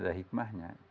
jadi jangan protes